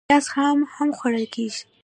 پیاز خام هم خوړل کېږي